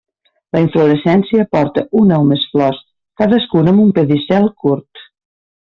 La inflorescència porta una o més flors, cadascuna amb un pedicel curt.